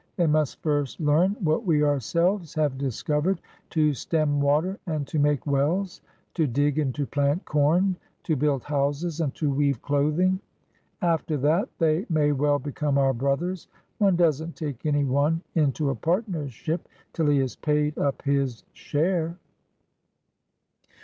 They must first learn what we ourselves have discovered, — to stem water and to make wells, to dig and to plant corn, to build houses and to weave clothing. After that they may well become our brothers. One does n't take any one into a partnership till he has paid up his share."